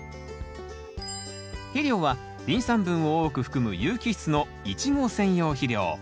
肥料はリン酸分を多く含む有機質のイチゴ専用肥料。